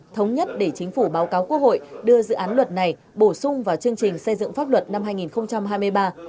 thống nhất để chính phủ báo cáo quốc hội đưa dự án luật này bổ sung vào chương trình xây dựng pháp luật năm hai nghìn hai mươi ba